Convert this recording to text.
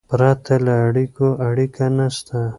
پرته له اړیکو، اړیکه نسته.